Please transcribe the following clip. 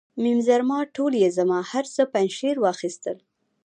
میم زرما ټوله یې زما، هر څه پنجشیر واخیستل.